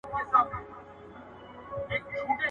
تر پرون پوري ئې له اوښ څخه ژاولي غوښتې، اوس ماته عقل را ښيي.